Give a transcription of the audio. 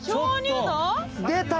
出た！